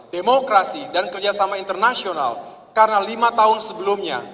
demokrasi dan kerjasama internasional karena lima tahun sebelumnya